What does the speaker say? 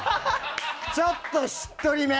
ちょっとしっとりめ。